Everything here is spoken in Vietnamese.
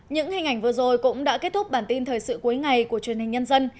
những hình ảnh vừa rồi cũng đã kết thúc bản tin thời sự cuối ngày của truyền hình nhân dân